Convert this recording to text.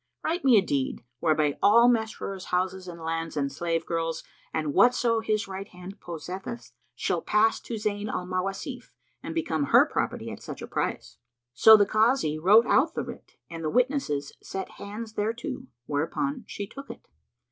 Write me a deed, whereby all Masrur's houses and lands and slave girls and whatso his right hand possesseth shall pass to Zayn al Mawasif and become her property at such a price." So the Kazi wrote out the writ and the witnesses set hands thereto; whereupon she took it.